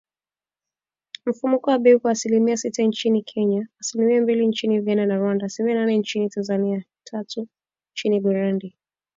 Mfumuko wa bei uko asilimia sita nchini Kenya, asilimia mbili nchini Uganda na Rwanda, asilimia nane nchini Tanzania, asilimia tatu nchini Burundi